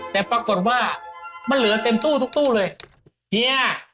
แต่ปรากฏว่ามันเหลือเต็มตู้ทุกเลย